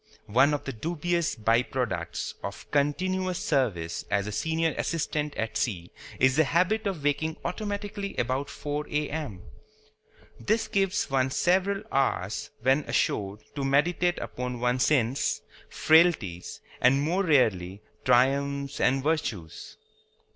One of the dubious by products of continuous service as a senior assistant at sea is the habit of waking automatically about 4 A.M. This gives one several hours, when ashore, to meditate upon one's sins, frailties, and (more rarely) triumphs and virtues.